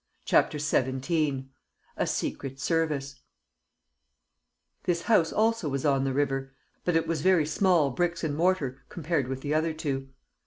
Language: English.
CHAPTER XVII A Secret Service This house also was on the river, but it was very small bricks and mortar compared with the other two.